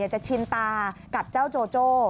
ชินตากับเจ้าโจโจ้